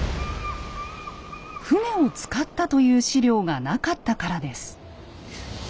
船を使ったという史料がなかったからです。